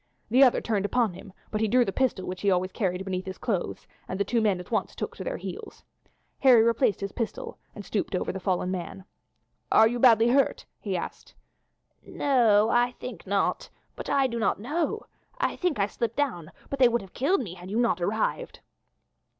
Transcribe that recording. The other turned upon him, but he drew the pistol which he always carried beneath his clothes, and the two men at once took to their heels. Harry replaced his pistol and stooped over the fallen man. "Are you badly hurt?" he asked. "No, I think not, but I do not know. I think I slipped down; but they would have killed me had you not arrived."